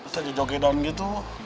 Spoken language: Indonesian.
saya aja jogetan gitu